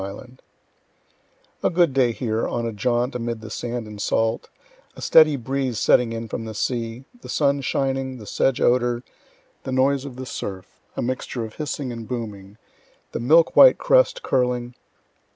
I._ A good day here, on a jaunt, amid the sand and salt, a steady breeze setting in from the sea, the sun shining, the sedge odor, the noise of the surf, a mixture of hissing and booming, the milk white crest curling.